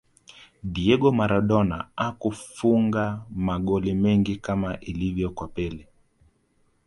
diego maradona hakufunga magoli mengi kama ilivyo kwa pele